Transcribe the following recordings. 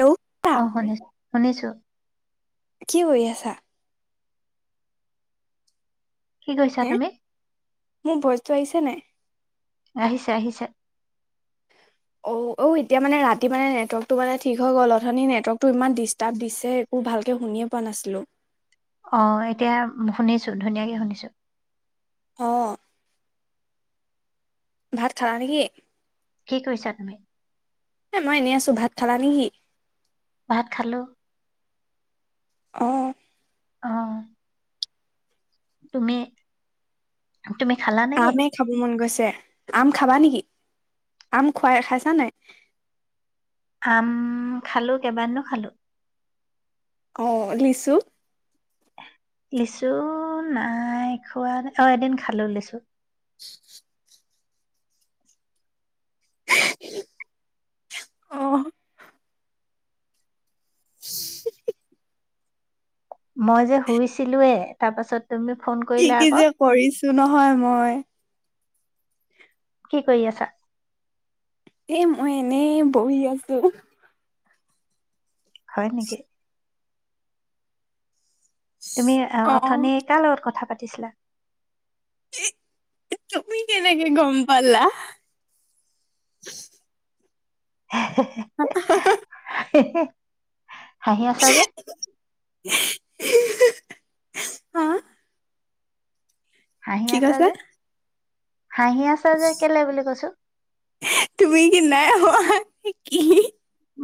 Hello অ শুনিছো শুনিছো কি কৰি আছা কি কৈছা হে তুমি মোৰ ভইচটো আহিছ ছে নে আহিছে আহিছে অ ঔ এতিয়া মানে ৰাতি মানে নেটৱৰ্কটো মানে ঠিক হৈ গ'ল অথনি নেটৱৰ্কটো ইমান ডিষ্টাৰ্ব দিছে একো ভালকে শুনিয়ে পোৱা নাছিলো অ এতিয়া শুনিছো ধুনীয়াকে শুনিছো অ ভাত খালা নেকি কি কৈছা তুমি এ মই এনেই আছো, ভাত খালা নেকি? ভাত খালোঁ অহ অহ তুমি তুমি খালা নেকি আমেই খাব মন গৈছে আম খাবা নেকি আম খুৱাই খাইছা নাই আম খালো কেইবা দিনো খালো অ লিচু লিচু নাই খোৱা নাই অ এদিন খালো লিচু অহ [unintelligible] মই যে শুইছিলোয়ে তাৰপাছত কি কি যে কৰিছোঁ নহয় মই। কি কৰি আছা? এ মই এনেই বহি আছোঁ। হয় নেকি? তুমি অ অ-অথনি কাৰ লগত কথা পাত ছিলা? এ তুমি কেনেকে গম পালা? [unintelligible] [unintelligible] হাঁহি আছা যে? [unintelligible] হা? হাঁহি কি আছা কৈছা যে? হাঁহি আছা যে কেলে বুলি কৈছো তুমি কি নাই হোৱা? এহ কি?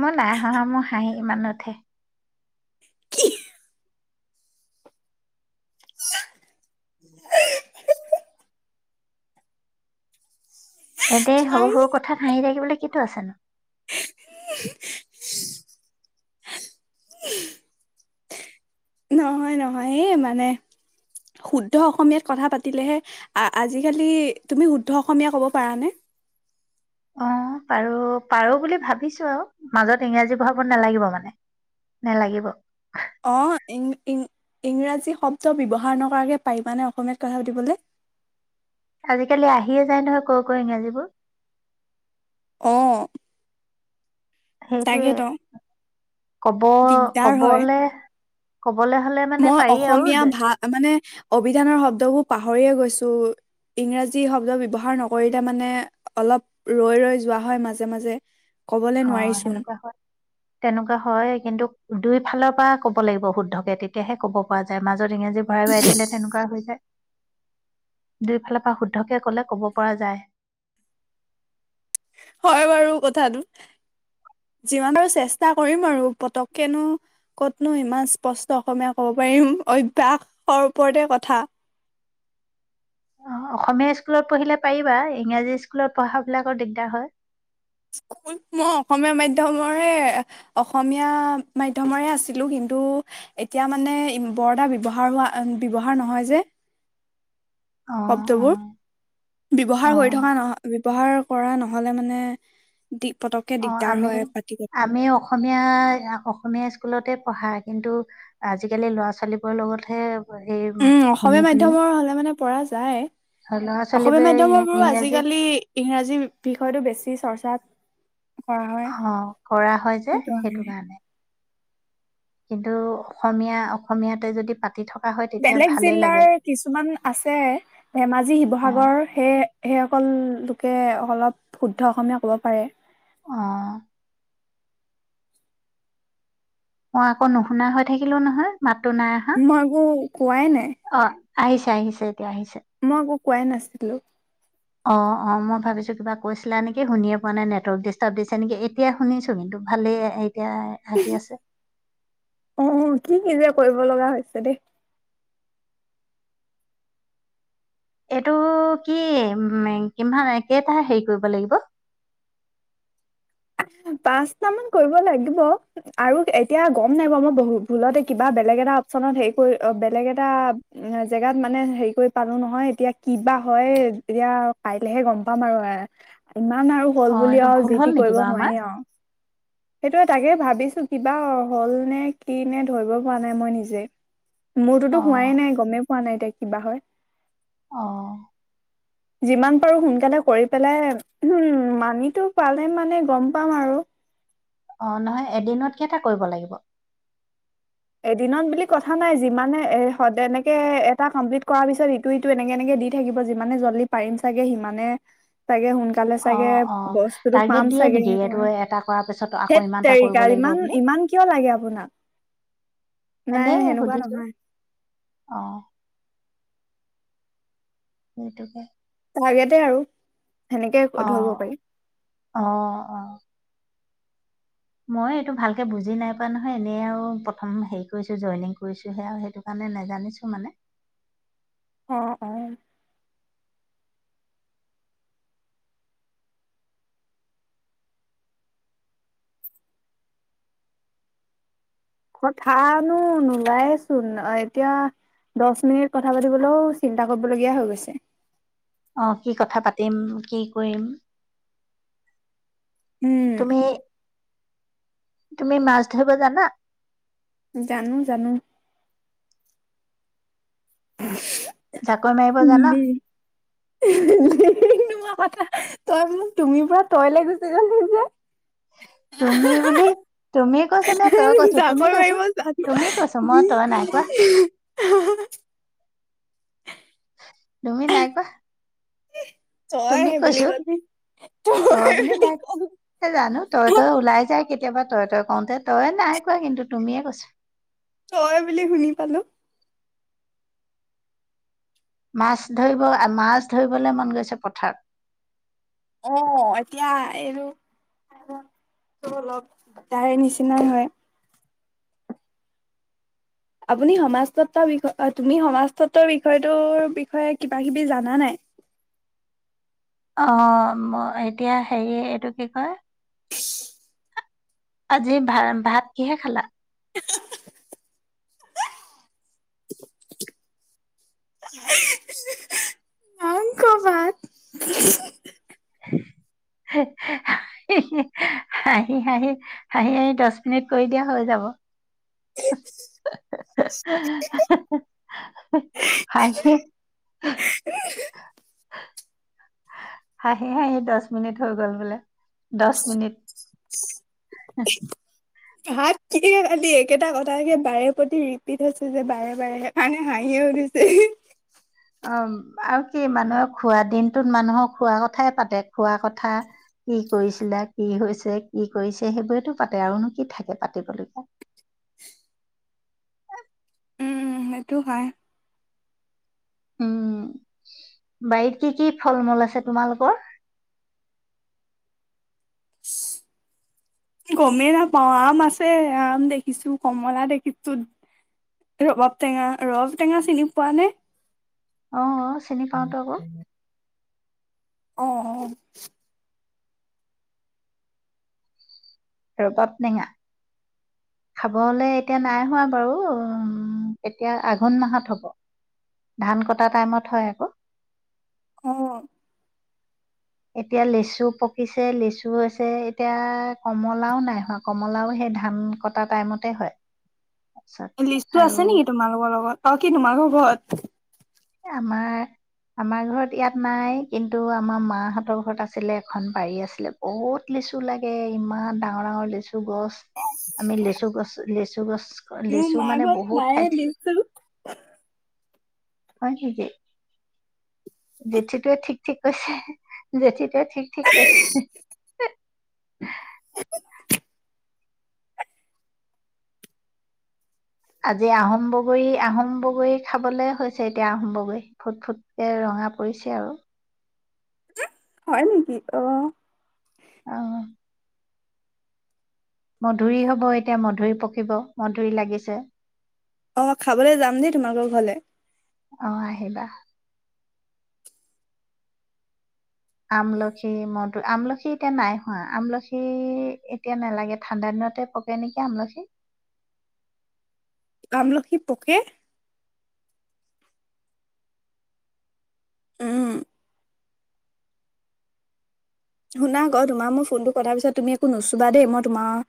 মই নাই হাহা, মোৰ হাঁহি ইমান নুঠে। কি? [unintelligible] হিঃ হিহ ইয়াতে সৰু নাই সৰু কথাত হাঁহি থাকিবলৈ কিটো আছে নো? নহয় -নহয়, এই মানে শুদ্ধ অসমীয়াত কথা পাতিলেহে, আজিকালি তুমি শুদ্ধ অসমীয়া কব পাৰা নে? অ পাৰো, পাৰো বুলি ভাবিছো আও। মাজত ইংৰাজী বহাব নালাগিব মানে নে লাগিব? অ, ইং ইং ইংৰাজী শব্দ ব্যৱহাৰ নকৰাকে পাৰিবানে অসমীয়াত কথা পাতিবলে? আজিকালি আহিয়ে যায় নহয় কৰ, কৰ ইংৰাজীবোৰ। অ। সেইটোৱে। তাকেতো ক'ব, দিগদাৰ হয় ক'বলে কবলে হলে মানে মই পাৰি আৰু অসমীয়া ভা মানে অভিধানৰ শব্দবোৰ পাহৰিয়ে গৈছো। ইংৰাজী শব্দ ব্যৱহাৰ নকৰিলে মানে অলপ ৰৈ ৰৈ যোৱা হয় মাজে মাজে। ক'বলে অ নোৱাৰিচোন সেনেকুৱা হয়। তেনেকুৱা হইয়ে কিন্তু দুই ফালৰ পৰা ক'ব লাগিব শুদ্ধকে তেতিয়াহে ক'ব পৰা যায়, মাজ ত ইংৰাজী ভৰাই ভৰাই দিলে তেনেকুৱা হৈ যায়। দুইফালৰ পৰা শুদ্ধকে ক'লে ক'ব পৰা যায়। হয় বাৰু কথাটো, যিমান বাৰু চেষ্টা কৰিম আৰু পতককেনো ক'তনো সিমান স্পষ্ট অসমীয়া ক'ব পাৰিম অভ্যাসৰ ওপৰতে কথা। অ', অসমীয়া স্কুলত পঢ়িলে পাৰিবা, ইংৰাজী স্কুলত পঢ়াবিলাকৰ দিগদাৰ হয়। স্কুল মই অসমীয়া মাধ্যমৰে অসমীয়া মাধ্যমৰে আছিলোঁ কিন্তু এতিয়া মানে বৰদা ব্যৱহাৰ হোৱা ব্যৱহাৰ নহয় যে। অ অ শব্দবোৰ। অ ব্যৱহাৰ কৰি থকা নহ, ব্যৱহাৰ কৰা নহ'লে মানে দি পতককে অ', দিগদাৰ আমি হয় পাতি আমি অসমীয়া অসমীয়া স্কুলতে পঢ়া কিন্তু আজিকালি ল'ৰা ছোৱালীবোৰৰ লগতহে এই উম, শুনি অসমীয়া শুনি মাধ্যমৰ হ'লে মানে পৰা যায়। ল'ৰা অসমীয়া ছোৱালীবোৰে মাধ্যমৰ বোৰো ইংৰাজী আজিকালি ইংৰাজী বিষয়টো বেছি চৰ্চাত কৰা হয় অ', কৰা হয়, যে, সেইটো কাৰণে। কিন্তু অসমীয়া, অসমীয়াতে যদি পাতি থক বেলেগ জিলাৰ কিছুমান আছে ধেমাজি, অ শিৱসাগৰ সেই, সেইসকল লোকে অলপ শুদ্ধ অসমীয়া ক'ব পাৰে। অ' মই আকৌ নুশুনা হৈ থাকিলো নহয়। মাতো নাই আহা পোৱাই নাই। আহিছে, আহিছে এতিয়া আহিছ মই একো কোৱাই নাছিলো। অ', অ', মই ভাবিছোঁ কিবা কৈছিলা নেকি, শুনিয়ে পোৱা নাই নেটৱৰ্ক ডিষ্টাৰ্ব দিছে নেকি এতিয়া শুনিছো কিন্তু ভালেই‌ এ এতিয়া আহি আছে। অ কি কি যে কৰিব লগা হৈছে দেই। এইটো কি, উ, কিমান কেইটাহ হেৰি কৰিব লাগিব? পাঁচটা মান কৰিব লাগিব আৰু এতিয়া গম নাই বাৰ মই বহ ভুলতে কিবা বেলেগ এটা অপচনত হেৰি কৰি বেলেগ এটা জেগাত মানে হেৰি কৰি পালো নহয় এতিয়া কিবা হয়, এতিয়া কাইলেহে গম পাম আৰু এ ইমান আৰু হ'ল অ', বুলি এইটো আৰু ভুল যি, তি হ'ল নেকি কৰিব বাৰু আমাৰ? নোৱাৰি আ সেইটো তাকে ভাবিছোঁ কিবা হ'ল নে, কি নে ধৰিব পৰা নাই মই নিজে। মোৰটোতো অ', হোৱাই নাই, গমেই পোৱা নাই এতিয়া কিবা হয়। অহ। যিমান পাৰোঁ সোনকালে কৰি পেলাই উম, মানি পালে মানে গম পাম আৰু অ', নহয় এদিনত কেটা এটা কৰিব লাগিব? এদিনত বুলি কথা নাই যিমানে এ সদ এনেকে এটা কমপ্লিট কৰাৰ পিছত ইটো ইটো এনেকে এনেকে দি থাকিব যিমানে জল্দি পাৰিম চাগে সিমানে চাগে সোন কালে চাগে অ', অ', বস্তুতটো টাৰ্গেট পাম দিয়ে চাগে নেকি সি এইটো তোমাৰ, এটা কৰাৰ পিছত আকৌ সেই ইমানটা কৰিব তেৰিকাত লাগিব ইমান ইমান কিয় লাগে আপোনাক? নাই মানে সেনেকুৱা সুধিছো নহয় অহ। সেইটোকে ভাগেতে আৰু সেনেকে ধৰিব অহ, পাৰি অহ, অ'। মই এইটো ভালকৈ বুজি নাই পোৱা নহয় এনেই আৰু প্ৰথম হেৰি কৰিছোঁ জইনিং কৰিছোঁহে আৰু সেইটো কাৰণে নাজানিছোঁ মানে। অহ, অ'। কথানো নোলায়েচোন এতিয়া দহ মিনিট কথা পাতিবলৈও চিন্তা কৰিবলগীয়া হৈ গৈছে। অহ, কি কথা পাতিম? কি কৰিম? উম তুমি তুমি মাছ ধৰিব জানা? জানো, জানো। [inaudible] জাকৈ মাৰিব জানা? তই মোক তুমি পৰা তই ল' গুচি গলি যে। তুমি বুলি তুমি কৈছো নে তই কৈছো তুমি কৈছো জাকৈ তুমি কৈছো মই তই নাই কোৱা মাৰিব জানা? তুমি নাই কোৱা। তই তুমি সেই বুলি কৈছো কলি তই বুলি নাই জানো তই তই ওলাই যাই কেতিয়া কেতিয়াবা তই তই কওঁতে তই নাই কোৱা কিন্তু তুমিয়ে কৈছো। তই বুলি শুনি পালো। মাছ ধৰিব মাছ ধৰিবলৈ মন গৈছে পথাৰত। অ' এতিয়া এই অলপ তাৰে নিচিনাই হয়। আপুনি সমাজ তত্বৰ বিষয় তুমি সমাজ তত্বৰ বিষয়টো বিষয়ে কিবা কিবি জানা নাই? অ' এতিয়া হেৰি এইটো কি কয় [inaudible] আজি ভা ভাত কিহে খালা? মাংস ভাত। হাঁহি হাঁহি হাঁহি হাঁহি দহ মিনিট কৰি দিয়া হৈ যাব। হাঁহি হাঁহি হাঁহি দহ মিনিট হৈ গল বোলে দহ মিনিট। হুম। এই কালি একেটা কথাকে বাৰে প্ৰতি ৰিপিট হৈছো যে বাৰে বাৰে সেইকাৰণে হাঁহিয়ে উঠিছে। অ' আৰু কি মানুহে খোৱা দিনটোত মানুহৰ খোৱা কথাই পাতে খোৱা কথা কি কৰিছিলা, কি হৈছে, কি কৰিছে, সেইবোৰেতো পাতে আৰুনো কি থাকে পাতিবলগীয়া। এইটো হয়। উম বাৰীত কি কি ফল মূল আছে তোমালোকৰ? গমেই নাপাও আম আছে আম দেখিছো কমলা দেখিছো ৰবাব টেঙা ৰবাব টেঙা চিনি পোৱা নে? অ', অ'। চিনি পাওঁটো আকৌ। অহ, অহ। ৰ'বাব টেঙা খাব হ'লে এতিয়া নাই হোৱা বাৰু এতিয়া আঘোণ মাহত হ'ব ধান কটা টাইমত হয় আকৌ। অ'। এতিয়া লেচু পকিছে, লেচু হৈছে এতিয়া কমলাও নাই হোৱা কমলাও সেই ধান কটা টাইমতে হয়। তাৰপিছত লিষ্টটো আৰু আছে নেকি তোমালোকৰ লগত অ', কি তোমালোকৰ ঘৰত আমাৰ, আমাৰ ঘৰত ইয়াত নাই কিন্তু আমাৰ মাহঁতৰ ঘৰত আছিলে এখন বাৰী আছিলে বহুত লিচু লাগে ইমান ডাঙৰ, ডাঙৰ লিচু গছ। আমি লেচু গছ, লিচু গছ মোৰ লেচু মাৰ মানে ঘৰত বহুত নাইয়ে খাইছিলো লিচু। হয় ঠিকেই জেঠীটোৱে ঠিক, ঠিক কৈছে জেঠী কে ঠিক, ঠিক কৈছে। [inaudible] আজি আহোম বগৰী, আহোম বগৰী খাবলৈ হৈছে এতিয়া আহোম বগৰী ফুট ফুটকে ৰঙা পৰিছে আৰু। হয় নেকি, অহ। অহ। মধুৰি হ'ব এতিয়া মধুৰি পকিব, মধুৰি লাগিছে। অ', মই খাবলে যাম দেই তোমালোকৰ ঘৰলে। অ', আহিবা। আমলখি মদুৰ, আমলখি এতিয়া নাই হোৱা আমলখি এতিয়া নালাগে ঠাণ্ডা দিনতে পকে নেকি আমলখি। আমলখি পোকে। উম। শুনা আকৌ তোমাৰ মোৰ ফোনটো কটাৰ পিছত তুমি একো নুচুবা দেই, মই তোমাৰ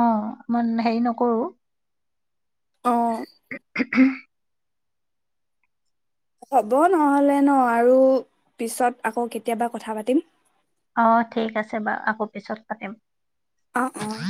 অ', মই হেৰি নকৰোঁ। অ'। হ'ব নহ'লে ন' আৰু পিছত আকৌ কেতিয়াবা কথা পাতিম। অ', ঠিক আছে বাৰু আকৌ পিছত পাতিম। অ', অ'।